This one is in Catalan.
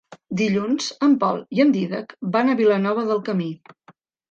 Dilluns en Pol i en Dídac van a Vilanova del Camí.